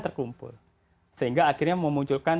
terkumpul sehingga akhirnya memunculkan